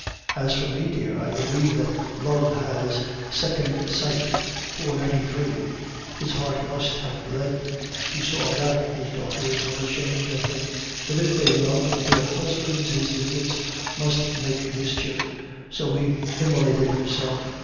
As for me, dear, I believe that love has second sight: poor Ninety three; his heart must have bled. He saw that his daughters were ashamed of him, that if they loved their husbands his visits must make mischief. So he immolated himself.